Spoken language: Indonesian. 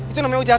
itu namanya ojat